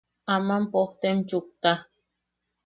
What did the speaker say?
Aman pojtem chukta.